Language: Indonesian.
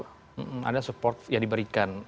hmm ada support ya diberikan